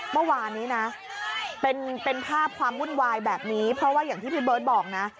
เมื่อวานนี้นะเป็นภาพความวุ่นวายแบบนี้เพราะว่าอย่างที่พี่เบิร์ตบอกนะ